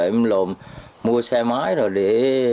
em lồn mua xe máy rồi